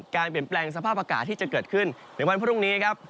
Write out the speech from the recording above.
การเปลี่ยนแปลงสภาพอากาศที่จะเกิดขึ้นในวันพรุ่งนี้ครับ